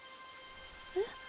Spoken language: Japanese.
えっ？